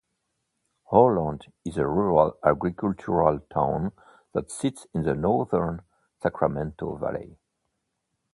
Orland is a rural agricultural town that sits in the northern Sacramento Valley.